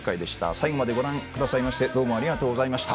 最後までご覧くださいましてありがとうございました。